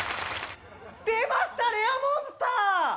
出ましたレアモンスター！